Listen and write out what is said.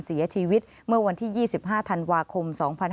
เสียชีวิตเมื่อวันที่๒๕ธันวาคม๒๕๕๙